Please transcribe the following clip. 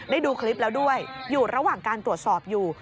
ดูคลิปแล้วด้วยอยู่ระหว่างการตรวจสอบอยู่